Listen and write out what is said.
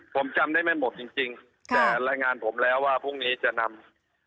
ผมจำได้ไม่หมดจริงจริงแต่รายงานผมแล้วว่าพรุ่งนี้จะนำ